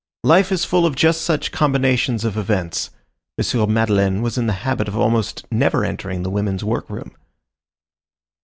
Life is full of just such combinations of events. M. Madeleine was in the habit of almost never entering the women's workroom.